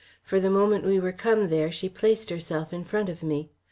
For the moment we were come there she placed herself in front of me.